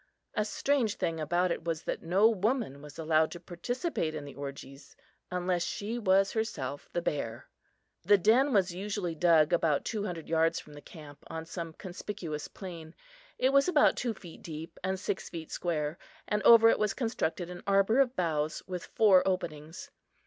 A strange thing about it was that no woman was allowed to participate in the orgies, unless she was herself the bear. The den was usually dug about two hundred yards from the camp, on some conspicuous plain. It was about two feet deep and six feet square and over it was constructed an arbor of boughs with four openings.